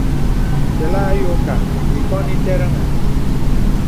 Belà ayókā īkǒn ìtərəŋhə.